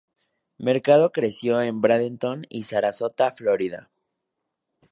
Mercado creció en Bradenton y Sarasota, Florida.